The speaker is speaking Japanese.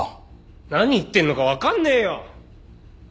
何言ってんのかわかんねえよ！